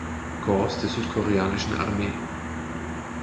Korps der südkoreanischen Armee.